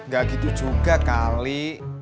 gak gitu juga kali